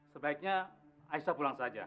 sebaiknya aisyah pulang saja